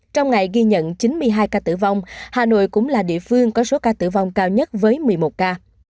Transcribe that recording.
trong ngày ghi nhận chín mươi hai ca tử vong hà nội cũng là địa phương có số ca tử vong cao nhất với một mươi một ca